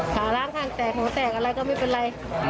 ขาล้างข้างแตกหูแตกอะไรก็ไม่เป็นไร